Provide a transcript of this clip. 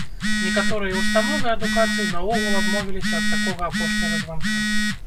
Некаторыя установы адукацыі наогул адмовіліся ад такога апошняга званка.